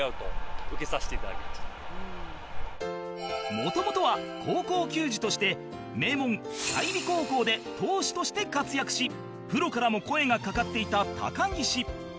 元々は高校球児として名門済美高校で投手として活躍しプロからも声がかかっていた高岸